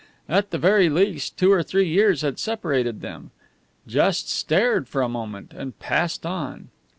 At the very least two or three years had separated them. Just stared for a moment, and passed on!